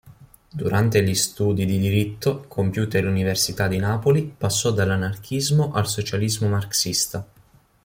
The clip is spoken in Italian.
Durante gli studi di diritto compiuti all'Università di Napoli passò dall'anarchismo al socialismo marxista.